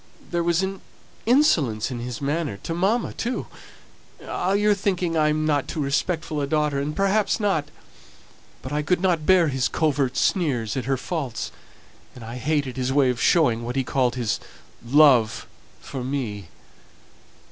There was an insolence in his manner to mamma, too. Ah! you're thinking that I'm not too respectful a daughter and perhaps not; but I couldn't bear his covert sneers at her faults, and I hated his way of showing what he called his 'love' for me.